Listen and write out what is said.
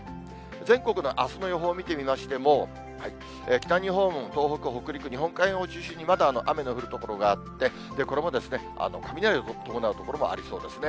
全国のあすの予報見てみましても、北日本、東北、北陸、日本海側を中心に、まだ雨の降る所があって、これも雷を伴う所もありそうですね。